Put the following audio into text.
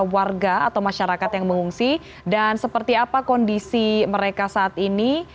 warga atau masyarakat yang mengungsi dan seperti apa kondisi mereka saat ini